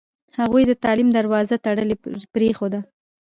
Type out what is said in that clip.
هغوی د تعلیم دروازه تړلې پرېښوده.